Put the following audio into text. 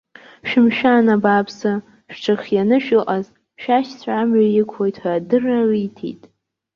Шәымшәан, абааԥсы, шәҽырхианы шәыҟаз, шәашьцәа амҩа иқәлоит ҳәа адырра риҭеит.